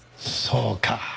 そうか。